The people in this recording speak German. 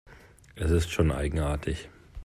Es ist schon eigenartig.